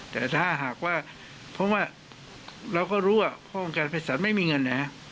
แต่ถ้าหากว่าเราก็รู้ว่าอวการพระภิสัตว์ไม่มีเงิน